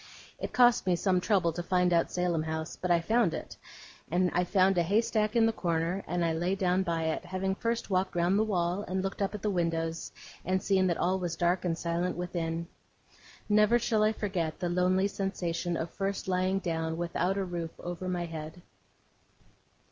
It cost me some trouble to find out Salem House; but I found it, and I found a haystack in the corner, and I lay down by it; having first walked round the wall, and looked up at the windows, and seen that all was dark and silent within. Never shall I forget the lonely sensation of first lying down, without a roof above my head!